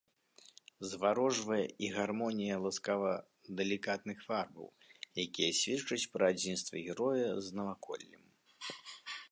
Заварожвае і гармонія ласкава-далікатных фарбаў, якія сведчаць пра адзінства героя з наваколлем.